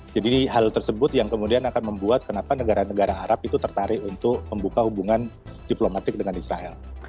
jadi hal tersebut yang kemudian akan membuat kenapa negara negara arab itu tertarik untuk membuka hubungan diplomatik dengan israel